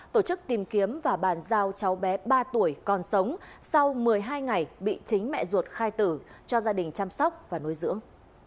tổ chức tìm kiếm và bàn giao cháu bé ba tuổi còn sống sau một mươi hai ngày bị chính mẹ ruột khai tử cho gia đình chăm sóc và nuôi dưỡng